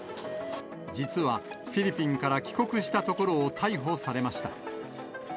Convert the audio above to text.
実はフィリピンから帰国したところを逮捕されました。